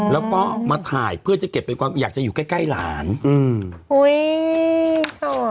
แล้วก็มาถ่ายเพื่อจะเก็บเป็นความอยากจะอยู่ใกล้ใกล้หลานอืมอุ้ยโสด